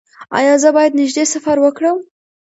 ایا زه باید نږدې سفر وکړم؟